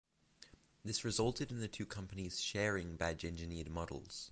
This resulted in the two companies sharing badge engineered models.